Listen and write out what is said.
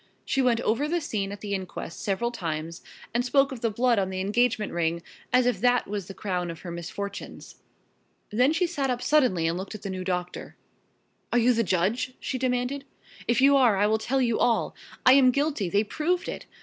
She went over the scene at the inquest several times, and spoke of the blood on the engagement ring, as if that was the crown of her misfortunes. Then she sat up suddenly and looked at the new doctor. "Are you the judge?" she demanded. "If you are I will tell you all. I am guilty they proved it!